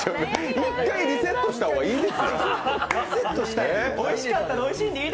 一回リセットした方がいいですよ。